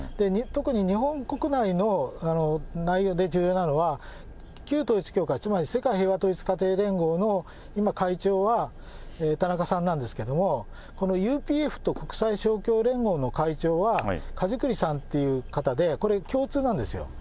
特に日本国内の内容で重要なのは、旧統一教会、つまり世界平和統一家庭連合の今、会長は田中さんなんですけれども、このＵＰＦと国際勝共連合の会長はかじくりさんっていう方で、これ、共通なんですよ。